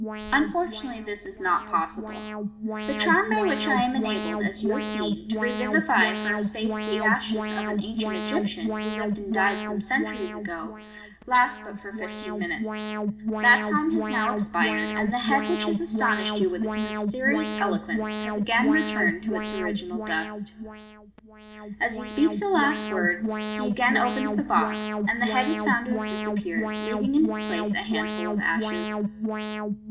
Unfortunately, this is not possible. The charm by which I am enabled, as you have seen, to revivify for a space the ashes of an ancient Egyptian, who lived and died some centuries ago, lasts but for fifteen minutes. That time has now expired, and the head which has astonished you with its mysterious eloquence has again returned to its original du<t." As he speaks the last words, he again opens the box, and the head is found to have disappeared, leaving in its place a handful of ashes.